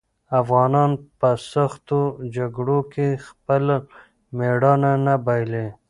افغانان په سختو جګړو کې خپل مېړانه نه بايلي.